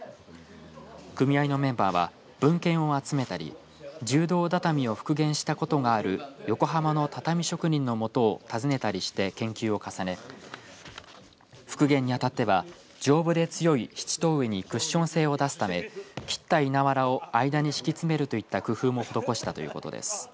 組合のメンバーは文献を集めたり柔道畳を復元したことがある横浜の畳職人の元を訪ねたりして研究を重ね復元にあたっては、丈夫で強いシチトウイにクッション性を出すため切った稲わらを間に敷き詰めるといった工夫も施したということです。